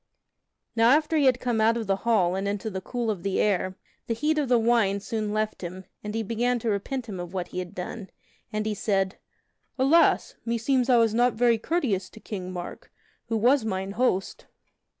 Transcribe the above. Now after he had come out of the hall and into the cool of the air, the heat of the wine soon left him, and he began to repent him of what he had done; and he said: "Alas! meseems I was not very courteous to King Mark, who was mine host."